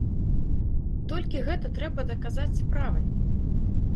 Толькі гэта трэба даказаць справай.